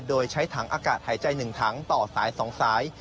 โดยใช้ถังอากาศหายใจ๑ถังต่อสาย๒สาย